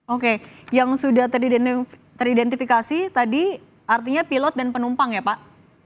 oke yang sudah teridentifikasi tadi artinya pilot dan penumpang ya pak